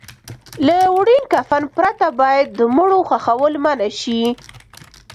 له وړین کفن پرته باید د مړو خښول منع شي.